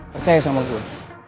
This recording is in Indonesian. percaya sama gue